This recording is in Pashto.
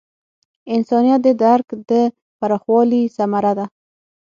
انسانیت د درک د پراخوالي ثمره ده.